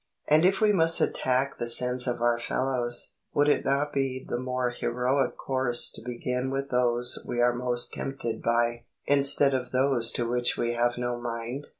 And if we must attack the sins of our fellows, would it not be the more heroic course to begin with those we are most tempted by, instead of those to which we have no mind?